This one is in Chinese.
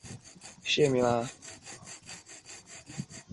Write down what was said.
主要讲述当日香港以及国际详细重点财经新闻。